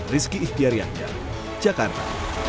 rizki ihtiariannya jakarta